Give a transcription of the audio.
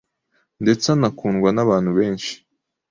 ndetse anakundwa n’abantu benshi